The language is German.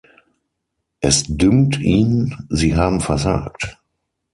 Es dünkt ihn, sie haben versagt.